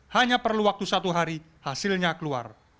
hanya perlu waktu satu hari hasilnya keluar